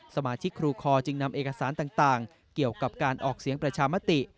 สมาชิกครูคอจึงนำเอกสารต่างเกี่ยวกับการออกเสียงประชามติ